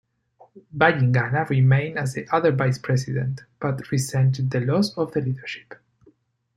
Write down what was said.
Bayingana remained as the other vice-president, but resented the loss of the leadership.